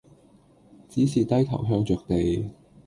只是低頭向着地，